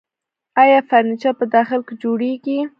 آیا فرنیچر په داخل کې جوړیږي؟